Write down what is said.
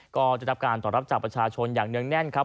ก็ได้รับการตอบรับจากประชาชนอย่างเนื่องแน่นครับ